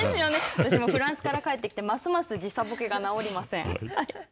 私もフランスから帰ってきて、ますます時差ボケが治りません。